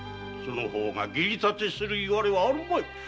義理立てするいわれはあるまい。